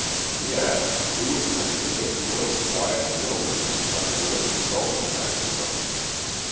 "Yes! who would think that this little, quiet, mill race is on her way to the Gulf of Mexico!"